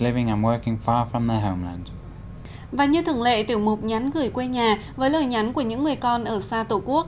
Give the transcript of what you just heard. và như thường lệ tiểu mục nhắn gửi quê nhà với lời nhắn của những người con ở xa tổ quốc